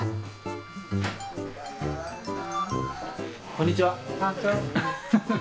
こんにちは。